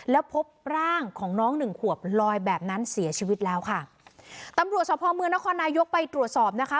แล้วพบร่างของน้องหนึ่งขวบลอยแบบนั้นเสียชีวิตแล้วค่ะตำรวจสภเมืองนครนายกไปตรวจสอบนะคะ